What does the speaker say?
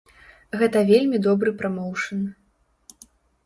Гэта вельмі добры прамоўшн.